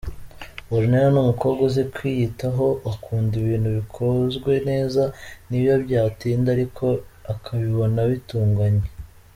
Ornella ni umukobwa uzi kwiyitaho, akunda ibintu bikozwe neza, niyo byatinda ariko akabibona bitunganye.